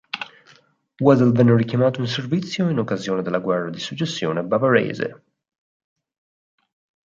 Wedel venne richiamato in servizio in occasione della guerra di successione bavarese.